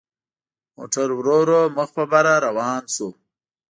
موټر ورو ورو مخ په بره روان شو.